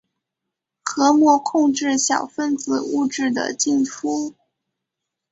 核膜控制小分子物质的进出。